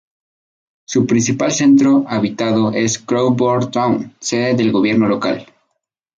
Su principal centro habitado es Cockburn Town, sede del gobierno local.